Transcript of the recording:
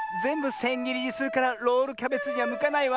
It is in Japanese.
せんぎりにするからロールキャベツにはむかないわ。